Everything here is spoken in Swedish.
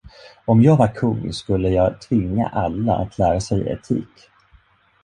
Om jag var kung skulle jag tvinga alla att lära sig etik.